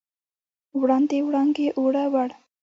وړاندې، وړانګې، اووړه، وړ